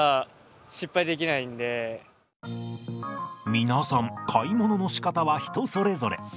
皆さん買い物のしかたは人それぞれ。